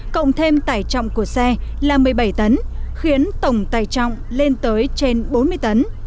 cộng thêm tải trọng của xe là một mươi bảy tấn khiến tổng tải trọng lên tới trên bốn mươi tấn